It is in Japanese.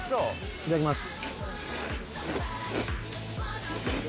いただきます。